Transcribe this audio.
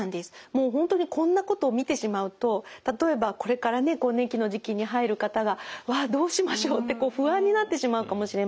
もう本当にこんなことを見てしまうと例えばこれからね更年期の時期に入る方がわっどうしましょうって不安になってしまうかもしれません。